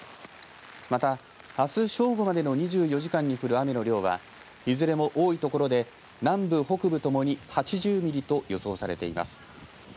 また、あす正午までの２４時間に降る雨の量はいずれも多いところで南部、北部ともに８０ミリと予想されています。